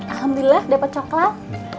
alhamdulillah dapet coklat